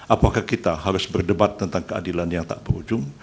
apakah kita harus berdebat tentang keadilan yang tak berujung